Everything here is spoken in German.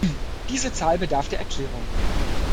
Diese Zahl bedarf der Erklärung.